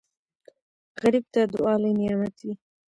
غریب ته دعا لوی نعمت وي